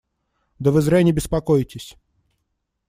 Да вы зря не беспокойтесь.